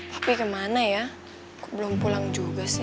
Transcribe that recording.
papi kemana ya kok belum pulang juga sih